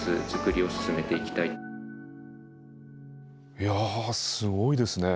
いやすごいですね。